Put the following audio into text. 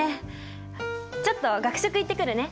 ちょっと学食行ってくるね。